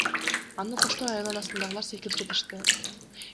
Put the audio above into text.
Аны коштой айланасындагылар секирип жатышты.